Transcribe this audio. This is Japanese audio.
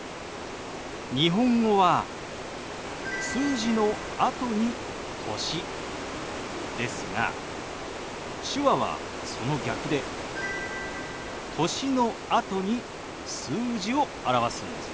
日本語は数字のあとに歳ですが手話はその逆で歳のあとに数字を表すんですよ。